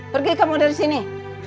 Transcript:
pergi kamu dari sini